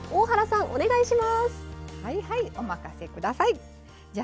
はい。